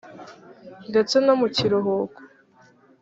ndetse no mukiruhuko